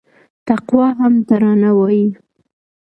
تقوا هم ترانه وايي